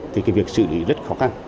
thì cái việc xử lý rất khó khăn